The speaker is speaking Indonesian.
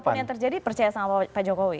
apapun yang terjadi percaya sama pak jokowi